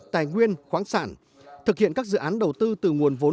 tài nguyên khoáng sản thực hiện các dự án đầu tư từ nguồn vốn